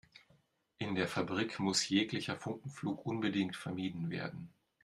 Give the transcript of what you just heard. In der Fabrik muss jeglicher Funkenflug unbedingt vermieden werden.